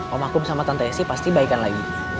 om akum sama tante esi pasti baikan lagi